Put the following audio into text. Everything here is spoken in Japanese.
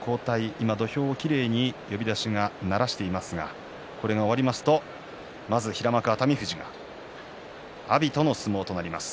今、土俵はきれいに呼出しがならしていますがこれが終わりますとまず平幕熱海富士が阿炎との相撲となります。